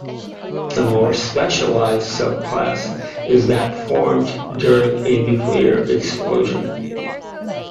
A more specialised subclass is that formed during a nuclear explosion.